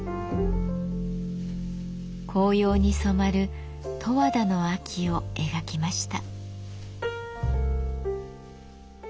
紅葉に染まる十和田の秋を描きました。